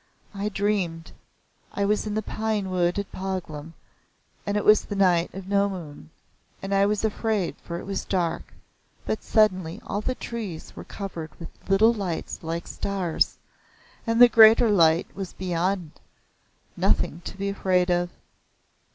"I dreamed I was in the pine wood at Pahlgam and it was the Night of No Moon, and I was afraid for it was dark, but suddenly all the trees were covered with little lights like stars, and the greater light was beyond. Nothing to be afraid of."